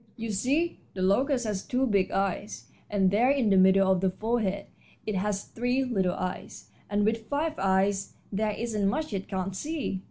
"You see, the locust has two big eyes, and there in the middle of the forehead it has three little eyes, and with five eyes there isn't much it can't see.